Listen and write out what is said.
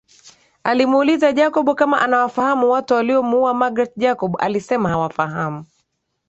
Alimuuliza Jacob kama anawafahamu watu waliomuua Magreth Jacob alisema hawafahamu